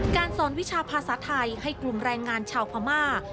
สอนวิชาภาษาไทยให้กลุ่มแรงงานชาวพม่า